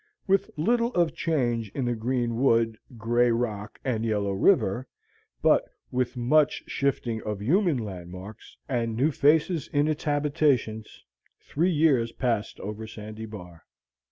With little of change in the green wood, gray rock, and yellow river, but with much shifting of human landmarks, and new faces in its habitations, three years passed over Sandy Bar.